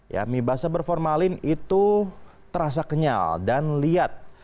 ya mie basah berformalin itu terasa kenyal dan lihat